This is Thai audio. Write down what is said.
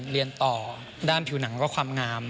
เรียนต่อด้านผิวหนังและความงาม